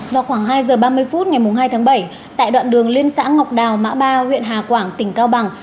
vào khoảng hai giờ ba mươi phút ngày hai tháng bảy tại đoạn đường liên xã ngọc đào mã ba huyện hà quảng tỉnh cao bằng